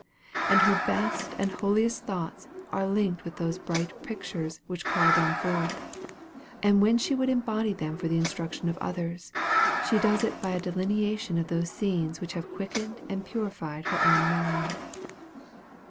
All her best and holiest thoughts are linked with those bright pictures which call them forth, and when she would embody them for the instruction of others, she does it by a delineation of those scenes which have quickened and purified her own mind.